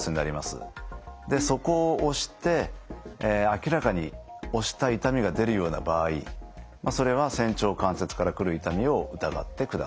そこを押して明らかに押した痛みが出るような場合それは仙腸関節から来る痛みを疑ってください。